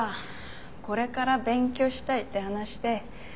これから勉強したいって話で。